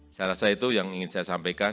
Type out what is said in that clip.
secara saya itu yang ingin saya sampaikan